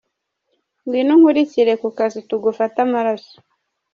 Ngwino unkurikire ku kazi tugufate amaraso.